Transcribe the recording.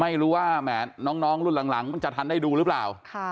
ไม่รู้ว่าแหมน้องรุ่นหลังมันจะทันได้ดูหรือเปล่า